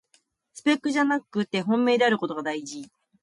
スペックじゃなくて本命であることがだいじ